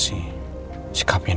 sikapnya dia terlalu dingin